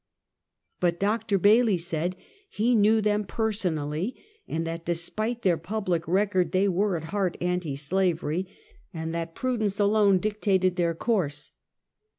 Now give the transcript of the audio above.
But Dr. Bailey said he knew them personally, and that despite their public record, they were at heart anti slavery, and that prudence YisiT "Washington. 127 alone dictated their course.